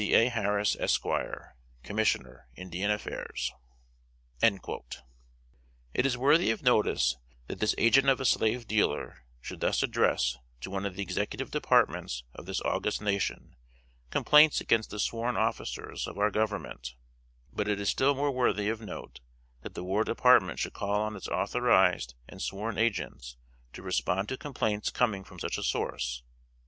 A. HARRIS, Esq., Commissioner Indian Affairs. It is worthy of notice that this agent of a slave dealer should thus address, to one of the Executive Departments of this august nation, complaints against the sworn officers of our Government; but it is still more worthy of note that the War Department should call on its authorized and sworn agents to respond to complaints coming from such a source.